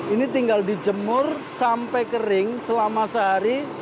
ini tinggal dijemur sampai kering selama sehari